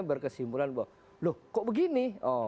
berkesimpulan bahwa loh kok begini